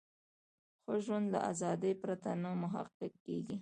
ښه ژوند له ازادۍ پرته نه محقق کیږي.